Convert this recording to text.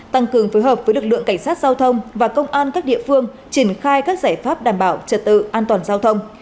tăng cường phối hợp với lực lượng cảnh sát giao thông và công an các địa phương triển khai các giải pháp đảm bảo trật tự an toàn giao thông